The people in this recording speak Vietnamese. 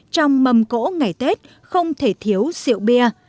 trong mầm cỗ ngày tết không thể thiếu rượu bia